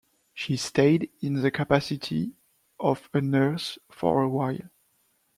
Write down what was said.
She stayed in the capacity of a nurse for a while.